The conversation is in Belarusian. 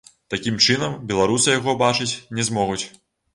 Такім чынам, беларусы яго бачыць не змогуць.